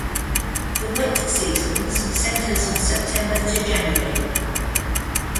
The wet seasons centers on September to January.